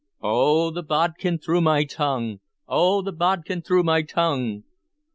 "Oh, the bodkin through my tongue! Oh, the bodkin through my tongue!"